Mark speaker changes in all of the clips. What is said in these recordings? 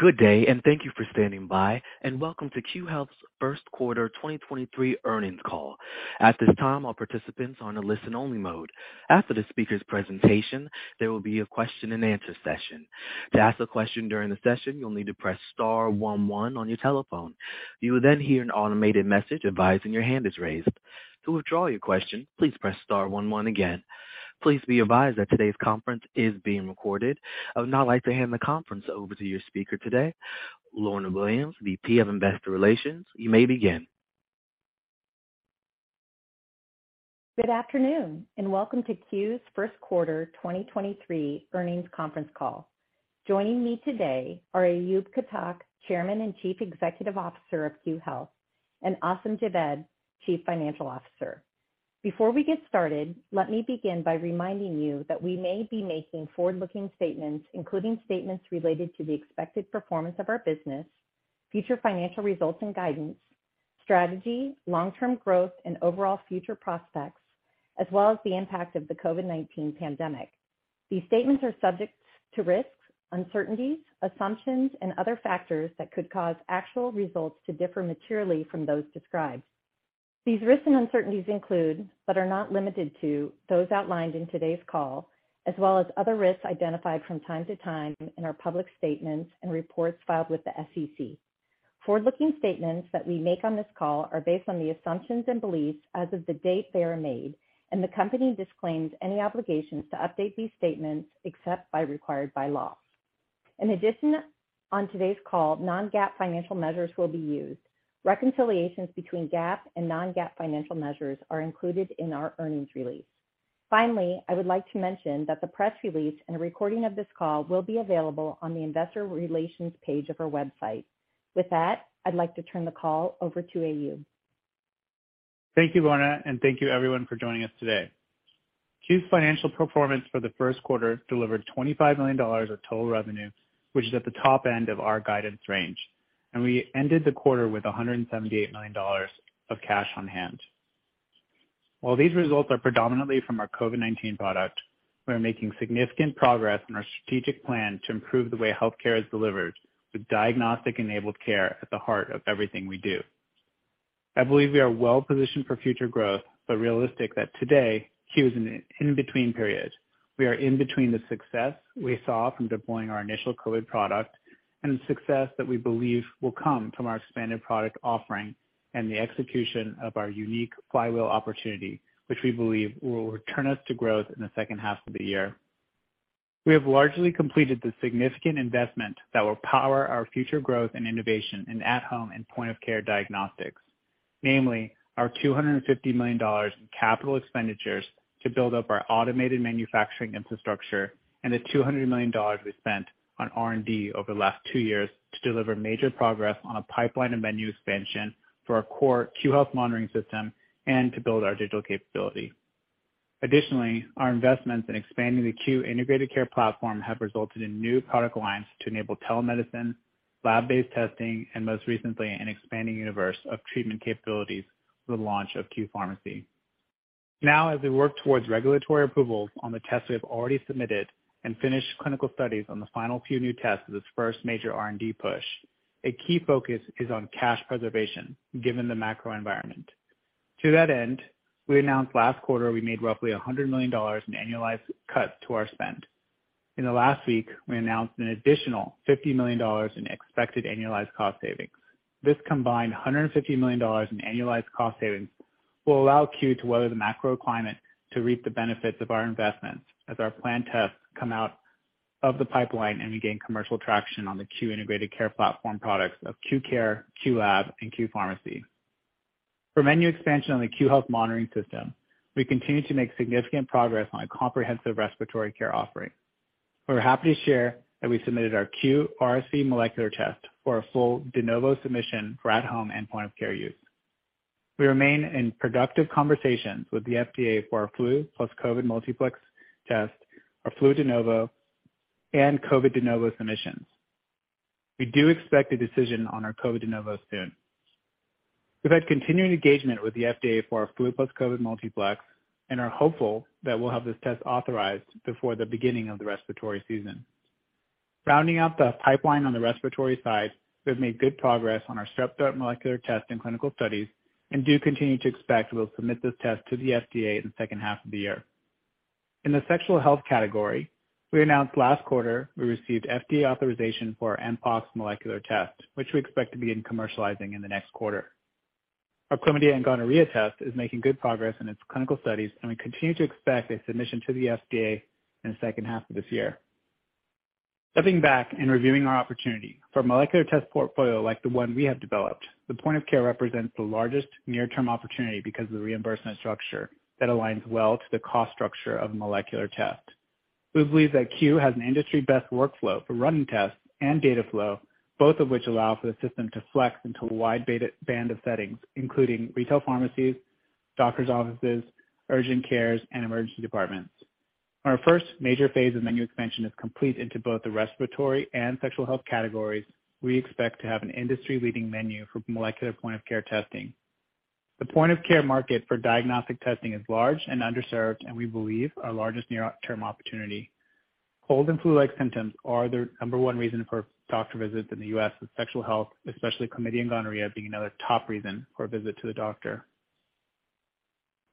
Speaker 1: Good day, and thank you for standing by, and welcome to Q Health's First Quarter 2023 Earnings Call. At this time, all participants
Speaker 2: are in a
Speaker 1: listen only mode. After the speakers' presentation, there will be a question and answer session. You will then hear an automated message advising your hand is raised. Please be advised that today's conference is being recorded. I would now like to hand the conference over to your speaker today, Lorna Williams, VP of Investor Relations. You may begin.
Speaker 3: Good afternoon, and welcome to Q's Q1 2023 Earnings Conference Call. Joining me today are Ayub Khattak, Chairman and Chief Executive Officer of Q Health and Assam Javed, Chief Financial Officer. Before we get started, Let me begin by reminding you that we may be making forward looking statements, including statements related to the expected performance of our business, Future financial results and guidance, strategy, long term growth and overall future prospects, as well as the impact of the COVID-nineteen pandemic. These statements are subject to risks, uncertainties, assumptions and other factors that could cause actual results to differ materially from those described. These risks and uncertainties include, but are not limited to, those outlined in today's call as well as other risks identified from time to time in our public statements and reports Forward looking statements that we make on this call are based on the assumptions and beliefs as of the date they are made, and the company disclaims any obligations to update these statements except required by law. In addition, On today's call, non GAAP financial measures will be used. Reconciliations between GAAP and non GAAP financial measures are included in our earnings release. Finally, I would like to mention that the press release and a recording of this call will be available on the Investor Relations page of our website. With that, I'd like to turn the call over to A. Yu.
Speaker 4: Thank you, Mona, and thank you everyone for joining us today. Q's financial performance for the Q1 delivered $25,000,000 of total revenue, which is at the top end of our guidance range. And we ended the quarter with $178,000,000 of cash on hand. While these results are predominantly from our COVID-nineteen product, We are making significant progress in our strategic plan to improve the way healthcare is delivered with diagnostic enabled care at the heart of everything we do. I believe we are well positioned for future growth, but realistic that today, Q is an in between period. We are in between the success We saw from deploying our initial COVID product and the success that we believe will come from our expanded product offering and the execution of our unique Flywheel opportunity, which we believe will return us to growth in the second half of the year. We have largely completed the significant investment that will power our future growth and innovation in at home and point of care diagnostics, namely our $250,000,000 in capital expenditures To build up our automated manufacturing infrastructure and the $200,000,000 we spent on R and D over the last 2 years to deliver major progress on a pipeline and menu expansion for our core Queue Health monitoring system and to build our digital capability. Additionally, our investments in expanding the Q integrated care platform have resulted in new product lines to enable telemedicine, Lab based testing and most recently an expanding universe of treatment capabilities for the launch of Q Pharmacy. Now as we work towards regulatory approval on the tests we have already submitted and finish clinical studies on the final few new tests of this first major R and D push, A key focus is on cash preservation given the macro environment. To that end, we announced last quarter we made roughly $100,000,000 in annualized Cut to our spend. In the last week, we announced an additional $50,000,000 in expected annualized cost savings. This combined $150,000,000 in annualized cost savings will allow CU to weather the macro climate to reap the benefits of our investments as our planned tests come out of the pipeline and we gained commercial traction on the Q integrated care platform products of Q Care, Q Lab and Q Pharmacy. For menu expansion on the Q Health monitoring system, we continue to make significant progress on a comprehensive respiratory care offering. We're happy to share that we submitted our QRSV molecular test for a full de novo submission for at home endpoint of care use. We remain in productive conversations with the FDA for our flu plus COVID multiplex test, our flu de novo and COVID de novo submissions. We do expect a decision on our COVID de novo soon. We've had continued engagement with the FDA for our fluid plus COVID multiplex and are hopeful that we'll have this test authorized before the beginning of the respiratory season. Rounding out the pipeline on the respiratory side, We've made good progress on our strep throat molecular test and clinical studies and do continue to expect we'll submit this test to the FDA in the second half of the year. In the sexual health category, we announced last quarter we received FDA authorization for AMPOXX molecular test, which we expect to be in commercializing in the next quarter. Our Chlamydia and gonorrhea test is making good progress in its clinical studies and we continue to expect a submission to the FDA in the second half of this year. Stepping back and reviewing our opportunity for molecular test portfolio like the one we have developed, the point of care represents the largest near term opportunity because of the reimbursement structure that aligns well to the cost structure of molecular test. We believe that Q has an industry best workflow for running tests and data flow, both of which allow for the system to flex into a wide band of settings, including retail pharmacies, doctors' offices, Urgent Cares and Emergency departments. Our first major phase of menu expansion is complete into both the respiratory and sexual health categories. We expect to have an industry leading menu for molecular point of care testing. The point of care market for diagnostic testing is large and underserved and we believe Our largest near term opportunity. Cold and flu like symptoms are the number one reason for doctor visits in the U. S. With sexual health, especially chlamydia and gonorrhea being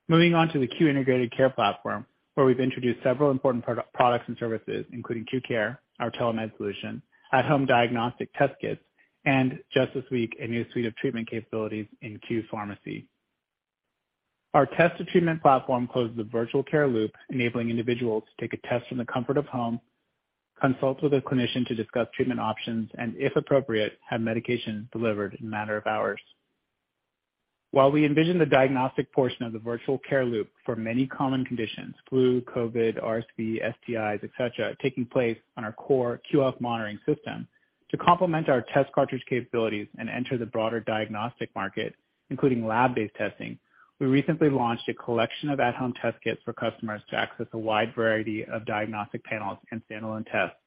Speaker 4: Moving on to the Q integrated care platform, where we've introduced several important products and services, including Q Care, Our telemed solution, at home diagnostic test kits and just this week, a new suite of treatment capabilities in Q Pharmacy. Our test to treatment platform closes the virtual care loop, enabling individuals to take a test from the comfort of home, consult with a clinician to discuss treatment options, and if While we envision the diagnostic portion of the virtual care loop for many common conditions, Flu, COVID, RSV, STIs, etcetera, taking place on our core QF monitoring system. To complement our test cartridge capabilities and enter the broader diagnostic market, including lab based testing. We recently launched a collection of at home test kits for customers to access a wide variety of diagnostic panels and standalone tests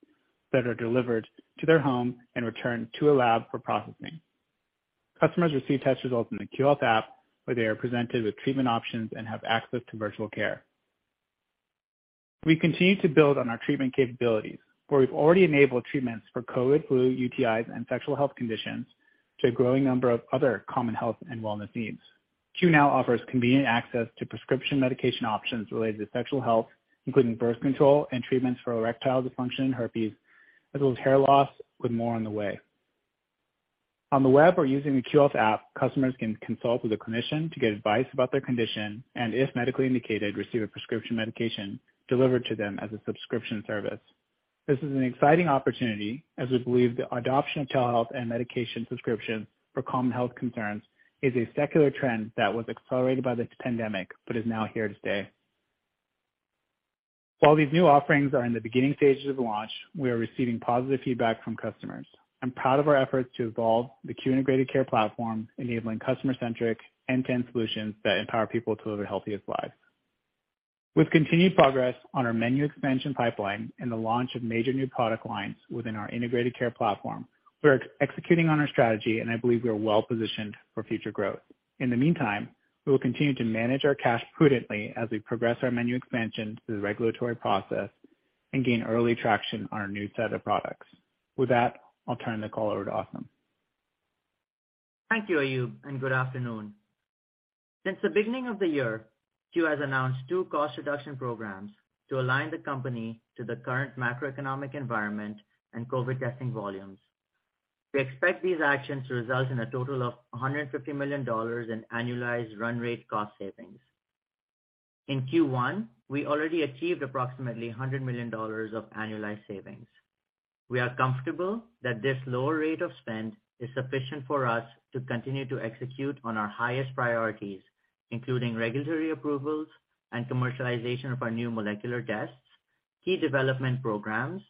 Speaker 4: that are delivered to their home and returned to a lab for processing. Customers receive test results in the Q Health app, They are presented with treatment options and have access to virtual care. We continue to build on our treatment capabilities We've already enabled treatments for COVID, flu, UTIs and sexual health conditions to a growing number of other common health and wellness needs. Q Now offers convenient access to prescription medication options related to sexual health, including birth control and treatments for erectile dysfunction and herpes, On the web or using the QoS app, customers can consult with a clinician to get advice about their condition And if medically indicated, receive a prescription medication delivered to them as a subscription service. This is an exciting opportunity as we believe the adoption of child health and medication subscription for common health concerns is a secular trend that was accelerated by this pandemic, but is now here to stay. While these new offerings are in the beginning stages of the launch, we are receiving positive feedback from customers. I'm proud of our efforts to evolve the Q integrated care platform, enabling customer centric End to end solutions that empower people to live their healthiest lives. With continued progress on our menu expansion pipeline and the launch of major new product lines Within our integrated care platform, we're executing on our strategy and I believe we are well positioned for future growth. In the meantime, We will continue to manage our cash prudently as we progress our menu expansion through the regulatory process and gain early traction on our new set of products. With that, I'll turn the call over to Asim.
Speaker 2: Thank you, Ayub, and good afternoon. Since the beginning of the year, Q has announced 2 cost reduction programs to align the company to the current macroeconomic environment and COVID testing volumes. We expect these actions to result in a total of $150,000,000 in annualized run rate cost savings. In Q1, we already achieved approximately $100,000,000 of annualized savings. We are comfortable That this lower rate of spend is sufficient for us to continue to execute on our highest priorities, including regulatory approvals and commercialization of our new molecular tests, key development programs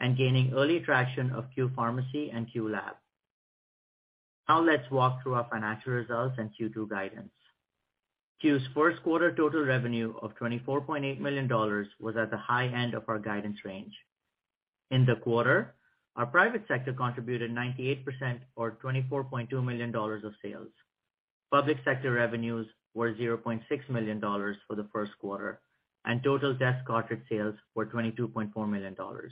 Speaker 2: and gaining early traction of Q Pharmacy and Q Lab. Now let's walk through our financial results and Q2 guidance. Q1 total revenue of $24,800,000 Was at the high end of our guidance range. In the quarter, our private sector contributed 98% or $24,200,000 of sales. Public sector revenues were $600,000 for the Q1 and total desk cartridge sales were $22,400,000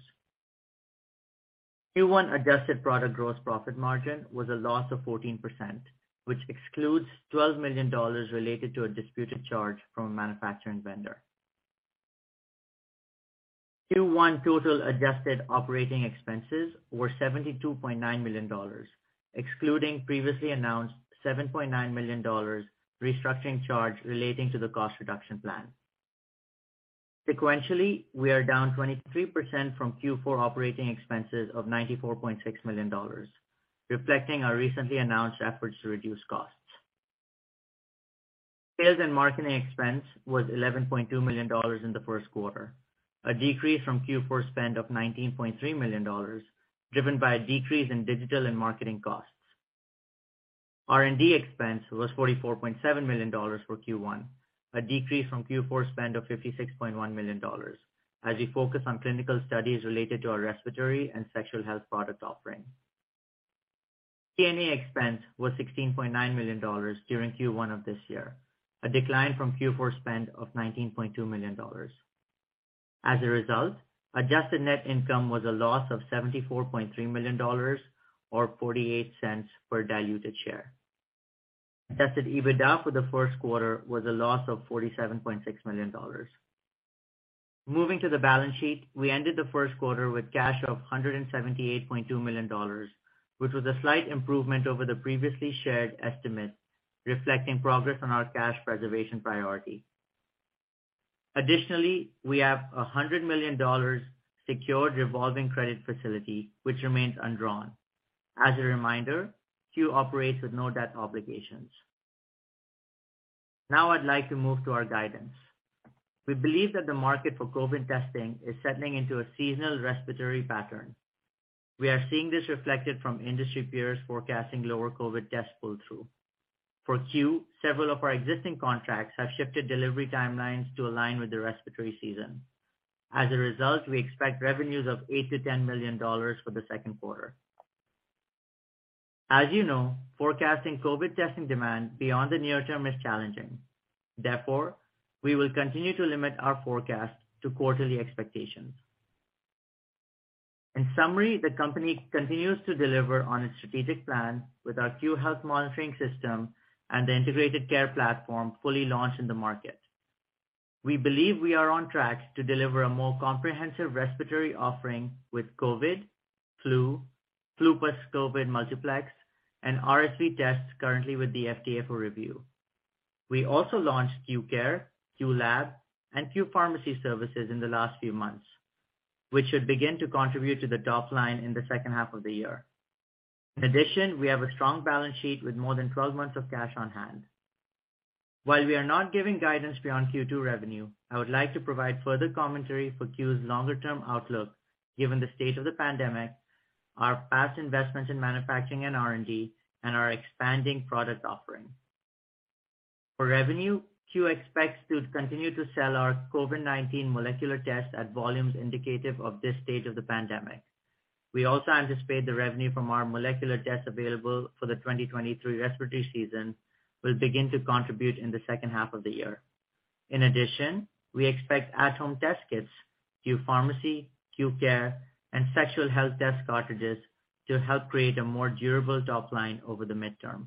Speaker 2: Q1 adjusted product gross profit margin was a loss of 14%, which excludes $12,000,000 related to a disputed charge Q1 total adjusted operating expenses were $72,900,000 excluding previously announced $7,900,000 restructuring charge relating to the cost reduction plan. Sequentially, we are down 23% from Q4 operating expenses of $94,600,000 reflecting our recently announced efforts to reduce costs. Sales and marketing expense was $11,200,000 in the 1st quarter, A decrease from Q4 spend of $19,300,000 driven by a decrease in digital and marketing costs. R and D expense was $44,700,000 for Q1, a decrease from Q4 spend of $56,100,000 as we focus on clinical studies related to our respiratory and sexual health product offering. G and A expense was $16,900,000 during Q1 of this A decline from Q4 spend of $19,200,000 As a result, adjusted net income was a loss of $74,300,000 or $0.48 per diluted share. Adjusted EBITDA for the Q1 was a loss of $47,600,000 Moving to the balance sheet. We ended the Q1 with cash of $178,200,000 which was a slight improvement over the previously shared estimate, reflecting progress on our cash preservation priority. Additionally, we have $100,000,000 Secured revolving credit facility, which remains undrawn. As a reminder, CU operates with no debt obligations. Now I'd like to move to our guidance. We believe that the market for COVID testing is settling into a seasonal respiratory pattern. We are seeing this reflected from industry peers forecasting lower COVID test pull through. For Q, several of our existing Contracts have shifted delivery timelines to align with the respiratory season. As a result, we expect revenues of $8,000,000 to $10,000,000 for the Q2. As you know, forecasting COVID testing demand beyond the near term is challenging. Therefore, we will continue to limit our forecast to quarterly expectations. In summary, the company continues to deliver on its strategic plan with our Queue Health monitoring system and the integrated care platform fully launched in the market. We believe we are on track to deliver a more comprehensive respiratory offering with COVID, Flu, flu per scoping multiplex and RSV tests currently with the FDA for review. We also launched Q Care, Q Lab And few pharmacy services in the last few months, which should begin to contribute to the top line in the second half of the year. In addition, we have a strong balance sheet with more than 12 months of cash on hand. While we are not giving guidance beyond Q2 revenue, I would like to provide further commentary for CU's longer term outlook given the state of the pandemic, our past investments in manufacturing and R and D, and are expanding product offering. For revenue, Q expects to continue to sell our COVID-nineteen molecular test at volumes indicative of this We also anticipate the revenue from our molecular tests available for the 2023 respiratory season will begin to contribute in the second half of the year. In addition, we expect at home desk kits, Q Pharmacy, Q Care and sexual health desk cartridges to help create a more durable top line over the midterm.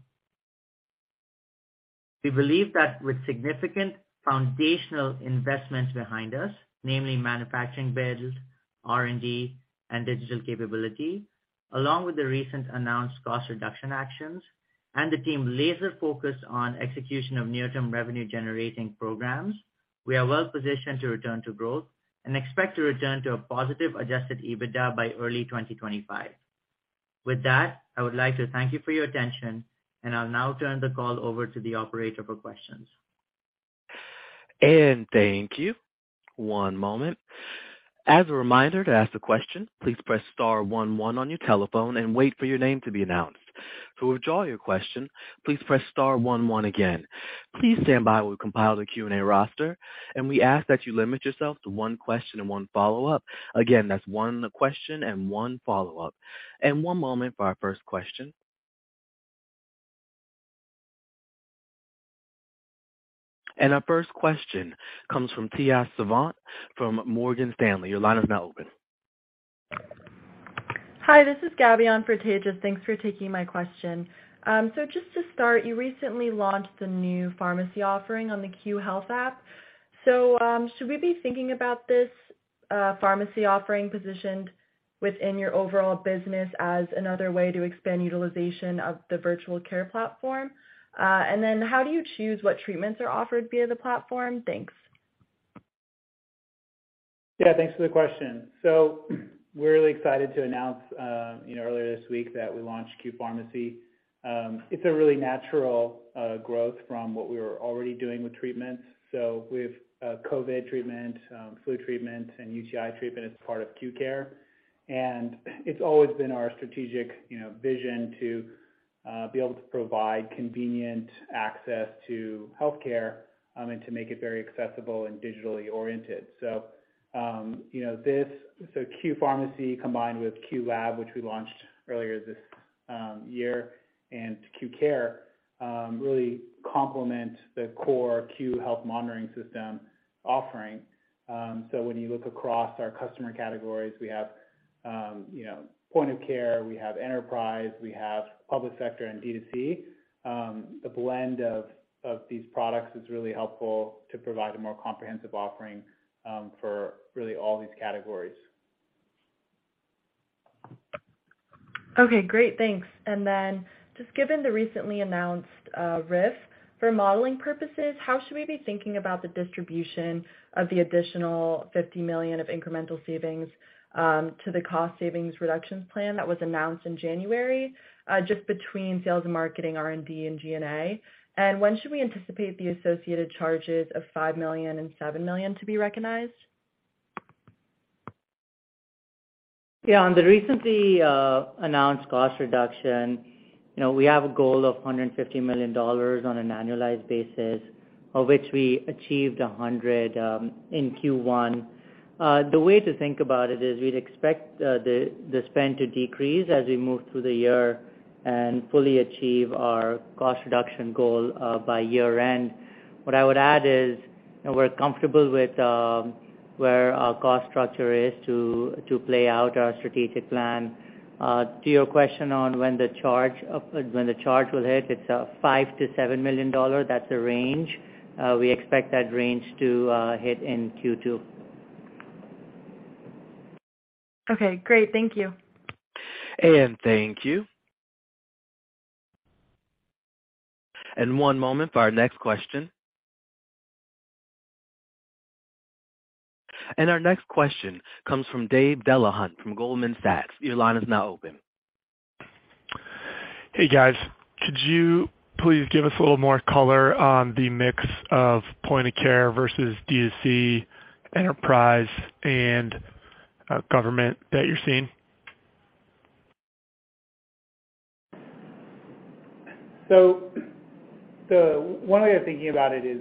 Speaker 2: We believe that with significant foundational investments behind us, namely manufacturing build, R and D and digital capability, along with the recent announced cost reduction actions And the team laser focused on execution of near term revenue generating programs, we are well positioned to return to growth and expect to return to a positive adjusted EBITDA by early 2025. With that, I would like to thank you for your attention. And I'll now turn the call over to the operator for questions.
Speaker 1: And thank you. One moment. Please stand by. We will compile the Q and A roster. And we ask that you limit yourself to 1 question and one follow-up. Again, that's one question and one follow-up. And our first question comes from Tia Savant from Morgan Stanley. Your line is now open.
Speaker 5: Hi. This is Gabby on for Tejas. Thanks for taking my question. So just to start, you recently launched a new pharmacy offering on the Q Health app. So, should we be thinking about this pharmacy offering positioned within your overall business as another way to expand utilization of The virtual care platform. And then how do you choose what treatments are offered via the platform? Thanks.
Speaker 4: Yes, thanks for the question. So we're really excited to announce earlier this week that we launched Q Pharmacy. It's a really natural growth from what we were already doing with treatments. So with COVID treatment, flu treatment and UTI treatment as part And it's always been our strategic vision to be able to provide convenient access to healthcare I mean to make it very accessible and digitally oriented. So, this Q Pharmacy combined with Q Lab, which we launched Earlier this year and Q Care really complement the core Q Health Monitoring System offering. So when you look across our customer categories, we have point of care, we have enterprise, we have public sector and B2C. The blend of these products is really helpful to provide a more comprehensive offering for really all these categories.
Speaker 5: Okay, great. Thanks. And then just given the recently announced RIF, For modeling purposes, how should we be thinking about the distribution of the additional $50,000,000 of incremental savings to the cost savings reductions plan that was announced in January, just between sales and marketing, R and D and G and A. And when should we anticipate the associated charges of $5,000,000 $7,000,000 to be recognized?
Speaker 2: Yes. On the recently announced cost reduction, we have a goal of $150,000,000 on an annualized basis, Of which we achieved 100 in Q1. The way to think about it is we'd expect the spend to decrease as we move through the year and fully achieve our cost reduction goal by year end. What I would add is we're comfortable with Where our cost structure is to play out our strategic plan. To your question on When the charge will hit, it's $5,000,000 to $7,000,000 That's a range. We expect that range to hit in Q2.
Speaker 5: Okay, great. Thank you.
Speaker 1: And thank you. And our next question comes from Dave Delahunt from Goldman Sachs. Your line is now open.
Speaker 6: Hey, guys. Could you Please give us a little more color on the mix of point of care versus D2C, enterprise and government that you're seeing?
Speaker 4: So one way of thinking about it is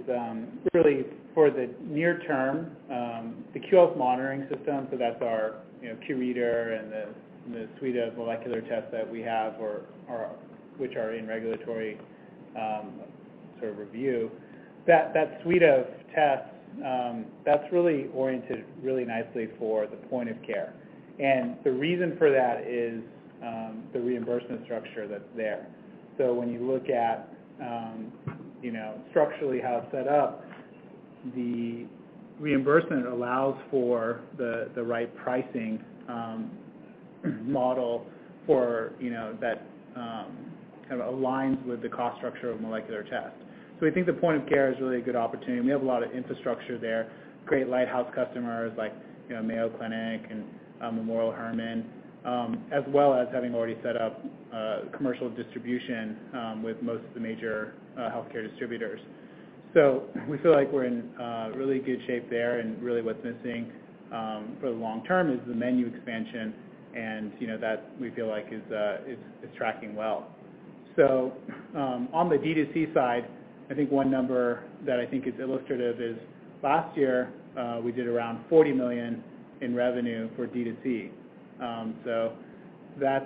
Speaker 4: really For the near term, the QoS monitoring system, so that's our Q reader and the suite of molecular tests that we have or Which are in regulatory sort of review. That suite of tests, that's really oriented Really nicely for the point of care. And the reason for that is, the reimbursement structure that's there. So when you look at structurally how it's set up, the reimbursement allows for the right Pricing model for that kind of aligns with the cost structure of molecular test. So we think the point of care is really a good opportunity. We have a lot of infrastructure there, great lighthouse customers like Mayo Clinic and Memorial Hermann, as well as having already set up commercial distribution with most of the major health care distributors. So we feel like we're in really good shape there. And really what's missing for the long term is the menu expansion, And that we feel like is tracking well. So on the D2C side, I think one number that I think is illustrative is Last year, we did around $40,000,000 in revenue for DTC. So that's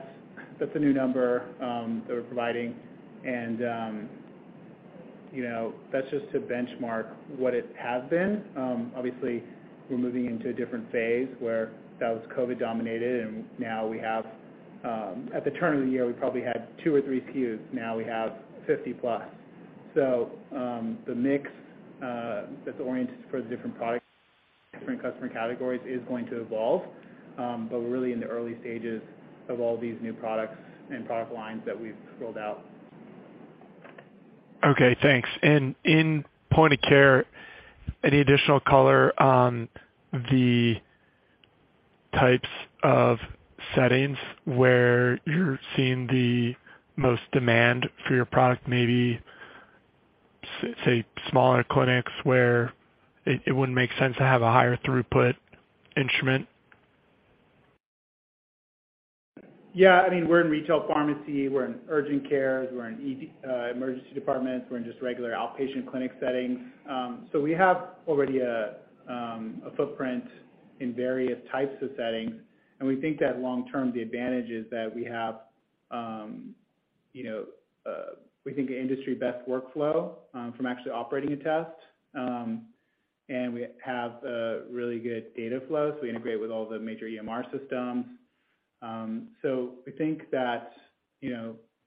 Speaker 4: a new number that we're providing. And that's just to benchmark what it has been. Obviously, we're moving into a different phase where That was COVID dominated and now we have at the turn of the year, we probably had 2 or 3 SKUs. Now we have 50 plus. So the mix That's oriented for the different products, different customer categories is going to evolve, but we're really in the early stages of all these new products And product lines that we've rolled out.
Speaker 6: Okay. Thanks. And in Point of Care, any additional color on The types of settings where you're seeing the most demand for your product maybe, Say smaller clinics where it wouldn't make sense to have a higher throughput instrument?
Speaker 4: Yes. I mean, we're in retail pharmacy, we're in urgent care, we're in emergency departments, we're in just regular outpatient clinic settings. So we have Already a footprint in various types of settings. And we think that long term, the advantage is that we have We think the industry best workflow from actually operating a test. And we have really good data flows. We integrate with all the major EMR So we think that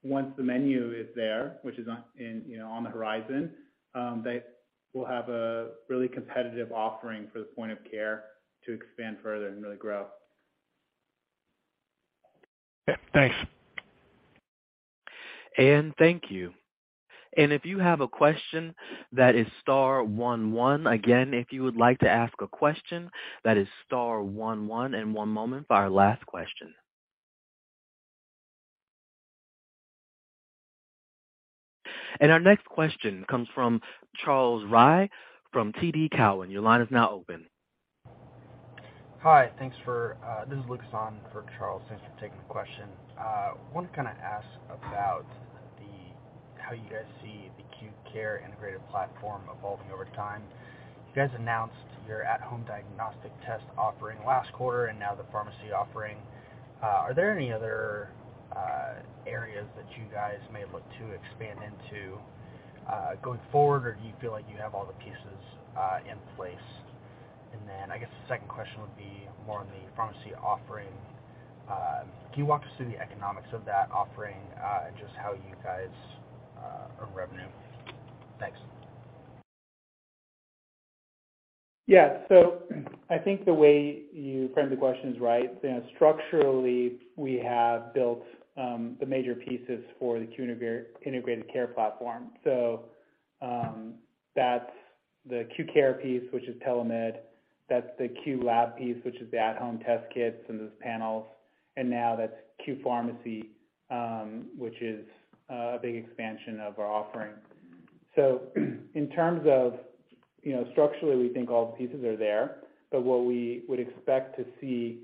Speaker 4: once the menu is there, which is on the horizon, they We'll have a really competitive offering for the point of care to expand further and really grow. Okay. Thanks.
Speaker 1: And thank you. And our next question comes from Charles Rhyee from TD Cowen. Your line is now open.
Speaker 7: Hi. Thanks for this is Lucas on for Charles. Thanks for taking the question. I want to kind of ask about the How you guys see acute care integrated platform evolving over time. You guys announced your at home diagnostic test offering last quarter and now the pharmacy offering. Are there any other areas that you guys may look to expand into Going forward, or do you feel like you have all the pieces in place? And then I guess the second question would be more on the pharmacy offering. Can you walk us through the economics of that offering? Just how you guys revenue? Thanks.
Speaker 4: Yes. So I think the way you frame the question is right. Structurally, we have built The major pieces for the Q integrated care platform. So that's the Q Care piece, which is TeleMed. That's the Q lab piece, which is the at home test kits and those panels. And now that's Q Pharmacy, which is Big expansion of our offering. So in terms of structurally, we think all the pieces are there. But what we would expect to see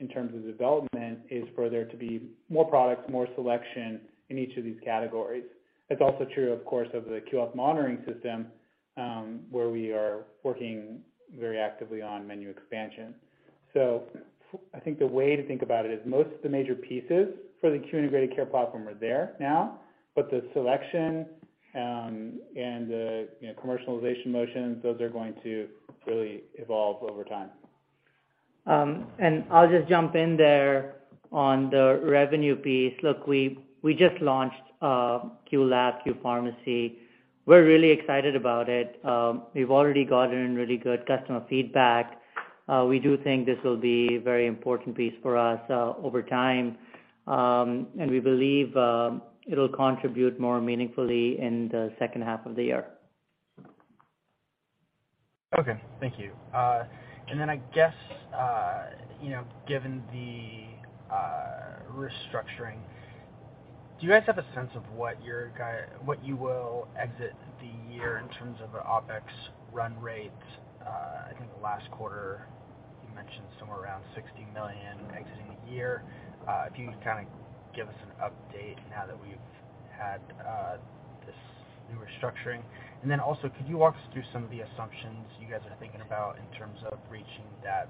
Speaker 4: In terms of development is for there to be more products, more selection in each of these categories. It's also true, of course, of the QF monitoring system, Where we are working very actively on menu expansion. So I think the way to think about it is most of the major pieces for For the Q integrated care platform, we're there now, but the selection and commercialization motions, those are going to Clearly evolve over time.
Speaker 2: And I'll just jump in there on the revenue piece. Look, We just launched QLab, Q Pharmacy. We're really excited about it. We've already gotten really good customer feedback. We do think this will be very important piece for us over time, and we believe it will contribute more meaningfully in the 2nd half of the
Speaker 7: year. Okay. Thank you. And then I guess, Given the restructuring, do you guys have a sense of what your guide what you will exit The year in terms of OpEx run rate, I think last quarter you mentioned somewhere around 60,000,000 Exiting the year. If you can kind of give us an update now that we've had this new restructuring? And then also, could you walk us through some of the assumptions you guys are thinking about in terms of reaching that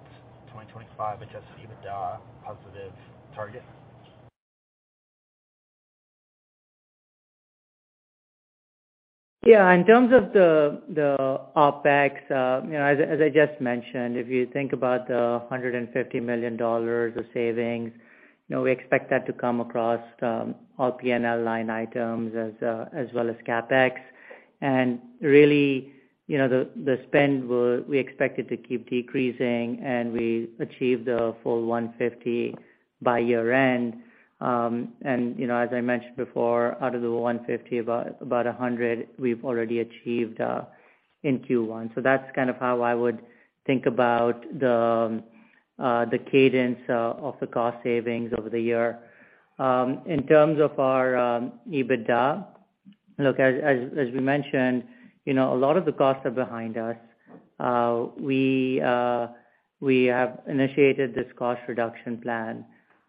Speaker 7: 2025 adjusted EBITDA positive target?
Speaker 2: Yes. In terms of the As I just mentioned, if you think about the $150,000,000 of savings, we expect that to come across All P and L line items as well as CapEx. And really, the spend we expected Keep decreasing and we achieved the full 150 by year end. And as I mentioned before, out of the 150, About 100, we've already achieved in Q1. So that's kind of how I would think about The cadence of the cost savings over the year. In terms of our EBITDA, Look, as we mentioned, a lot of the costs are behind us. We have initiated this cost reduction plan.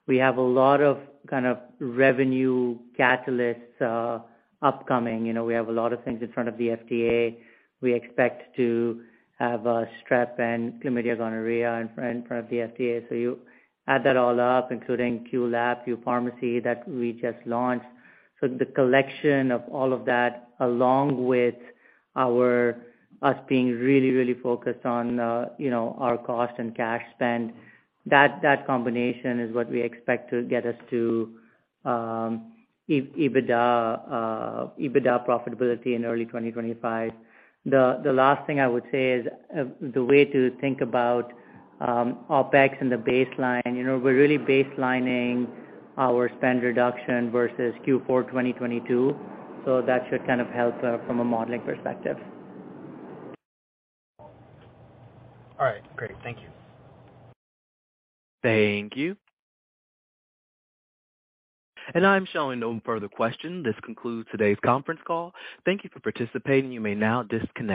Speaker 2: We have a lot of kind of revenue catalysts upcoming. We have a lot of things in front of the FDA. We expect to have a strep and chlamydia gonorrhea in front of the FDA. So you add that all up, including Q Lab, Q Pharmacy that We just launched. So the collection of all of that along with our us being really, really focused Our cost and cash spend, that combination is what we expect to get us to EBITDA profitability in early 2025. The last thing I would say is the way to think about OpEx and the baseline, we're really baselining our spend reduction versus Q4 2022. So that should kind of help from a modeling perspective.
Speaker 4: All right. Great. Thank you.
Speaker 1: Thank you. And I'm showing no further questions. This concludes today's conference call. Thank you for participating. You may now disconnect.